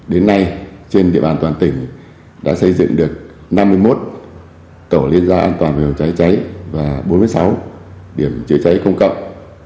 đến nay trên địa bàn toàn tỉnh đã xây dựng được năm mươi một tổ liên gia an toàn về phòng cháy cháy và bốn mươi sáu điểm chữa cháy công cộng